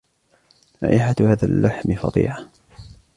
رائحة هذا اللحم فظيعة.